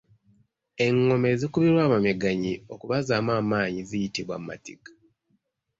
Engoma ezikubirwa abamegganyi okubazzaamu amaanyi ziyitibwa matigga.